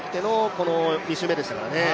この２周目でしたからね。